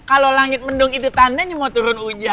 kalau langit mendung itu tandanya mau turun hujan